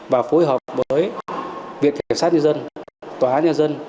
và phối hợp với việc kiểm soát nhân dân tòa án nhân dân